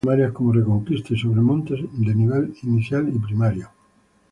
Escuelas primarias como Reconquista y Sobremonte de nivel inicial y primario.